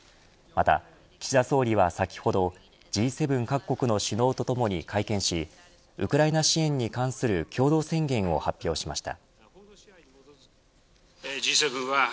また、岸田総理は先ほどＧ７各国の首脳とともに会見しウクライナ支援に関する共同宣言を発表しました。